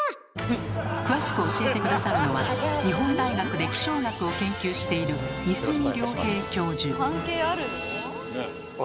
詳しく教えて下さるのは日本大学で気象学を研究している雲？